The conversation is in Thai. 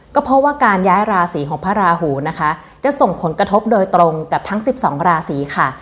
ก็เพราะว่าการย้ายราศีของพระราหูนะคะจะส่งผลกระทบโดยตรงกับทั้ง๑๒ราศีค่ะ